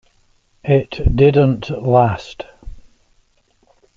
It didn't last.